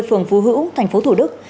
phường phú hữu thành phố thủ đức